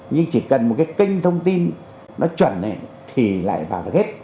nhưng chỉ cần một cái kênh thông tin nó chuẩn thì lại vào được hết